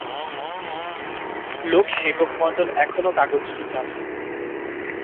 লোক সেবক মণ্ডল এখনও কাগজটি চালান।